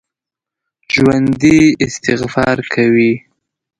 ژوندي استغفار کوي